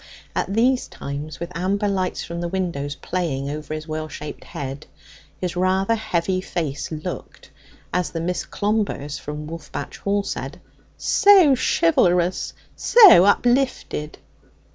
At these times, with amber lights from the windows playing over his well shaped head, his rather heavy face looked, as the Miss Clombers from Wolfbatch Hall said, 'so chivalrous, so uplifted.'